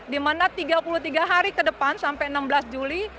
di mana tiga puluh tiga hari ke depan sampai enam belas juli